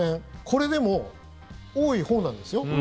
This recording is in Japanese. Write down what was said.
これでも多いほうなんですよ。